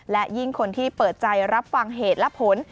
และยิ่งคนที่เปิดใจรับฟังเหตุและผล